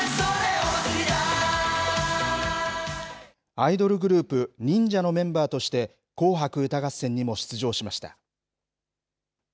アイドルグループ、忍者のメンバーとして、紅白歌合戦にも出場しました。